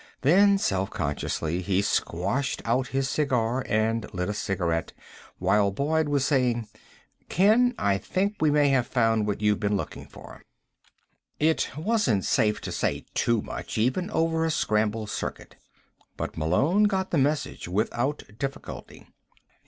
Then, self consciously, he squashed out his cigar and lit a cigarette while Boyd was saying: "Ken, I think we may have found what you've been looking for." It wasn't safe to say too much, even over a scrambled circuit. But Malone got the message without difficulty.